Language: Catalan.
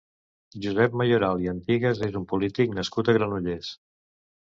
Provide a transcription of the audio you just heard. Josep Mayoral i Antigas és un polític nascut a Granollers.